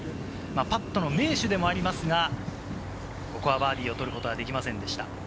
パットの名手でもありますが、ここはバーディーを取ることはできませんでした。